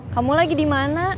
kamu lagi dimana